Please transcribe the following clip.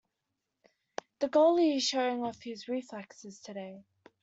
The goalie is showing off his reflexes today.